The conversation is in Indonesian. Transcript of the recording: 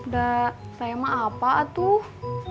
dah saya mah apa tuh